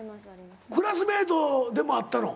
クラスメートでもあったの？